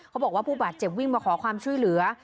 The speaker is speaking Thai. บอกว่าผู้บาดเจ็บวิ่งมาขอความช่วยเหลือ